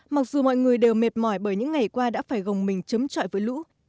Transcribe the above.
mặc dù mọi người đều mệt mỏi bởi những ngày qua đã phải gồng mình chấm trọi với lũ